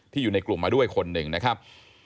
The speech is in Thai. อยู่ในกลุ่มมาด้วยคนหนึ่งนะครับ